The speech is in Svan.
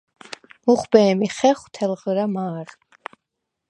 მუხვბე̄მი ხეხვ თელღრა მა̄რ.